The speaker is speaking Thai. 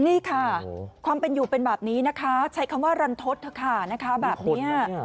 นี่ค่ะความเป็นอยู่เป็นแบบนี้นะคะใช้คำว่ารันทศเถอะค่ะนะคะแบบนี้